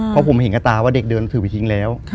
เพราะผมเห็นกับตาว่าเด็กเดินถือไปทิ้งแล้ว